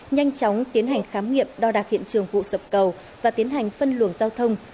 nhanh chóng tiến hành khám nghiệm đo đạc hiện trường vụ sập cầu và tiến hành phân luồng giao thông